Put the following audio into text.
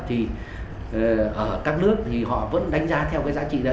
thì ở các nước thì họ vẫn đánh giá theo cái giá trị đó